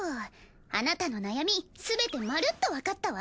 あなたの悩みすべてまるっとわかったわ。